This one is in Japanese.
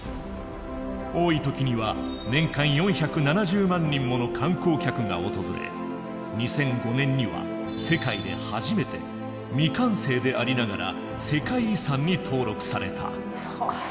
多い時には年間４７０万人もの観光客が訪れ２００５年には世界で初めて未完成でありながら世界遺産に登録された。